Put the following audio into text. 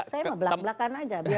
saya mau belak belakan aja